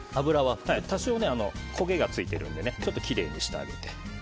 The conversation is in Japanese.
多少、焦げがついているのでちょっときれいにしてあげて。